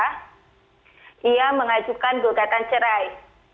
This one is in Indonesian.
dia mengajukan gugatan cerai